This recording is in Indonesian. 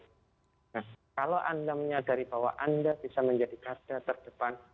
nah kalau anda menyadari bahwa anda bisa menjadi garda terdepan